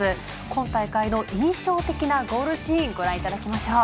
今大会の印象的なゴールシーンご覧いただきましょう。